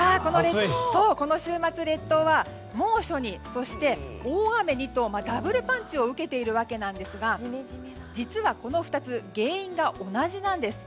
この週末、列島は猛暑に、そして大雨にとダブルパンチを受けているわけですが実は、この２つ原因が同じなんです。